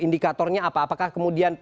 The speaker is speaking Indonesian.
indikatornya apa apakah kemudian